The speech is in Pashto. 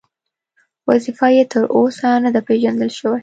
وظیفه یې تر اوسه نه ده پېژندل شوې.